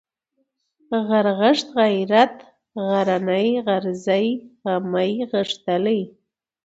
غرغښت ، غيرت ، غرنى ، غرزی ، غمی ، غښتلی